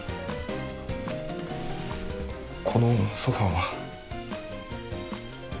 このソファーは？